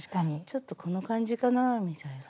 「ちょっとこの感じかなあ」みたいな。